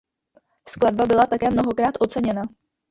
Skladba byla také mnohokrát oceněna.